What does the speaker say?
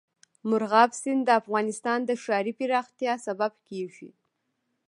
مورغاب سیند د افغانستان د ښاري پراختیا سبب کېږي.